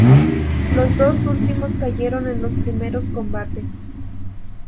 Los dos últimos cayeron en los primeros combates.